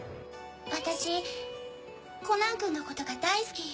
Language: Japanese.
私コナンくんのことが大好き。